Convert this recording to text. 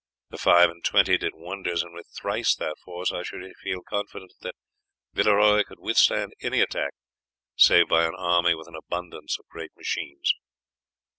The five and twenty did wonders, and with thrice that force I should feel confident that Villeroy could withstand any attack save by an army with an abundance of great machines.